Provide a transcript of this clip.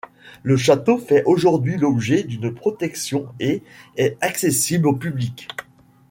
Le château fait aujourd'hui l'objet d'une protection et est accessible au public.